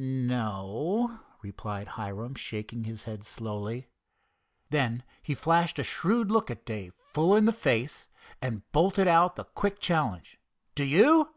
"No," replied Hiram, shaking his head slowly. Then he flashed a shrewd look at Dave, full in the face, and bolted out the quick challenge: "Do you?"